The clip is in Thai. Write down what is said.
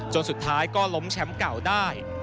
สุดท้ายก็ล้มแชมป์เก่าได้